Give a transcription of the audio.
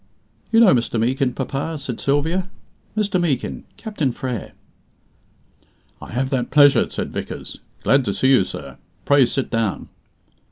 "You know Mr. Meekin, papa?" said Sylvia. "Mr. Meekin, Captain Frere." "I have that pleasure," said Vickers. "Glad to see you, sir. Pray sit down."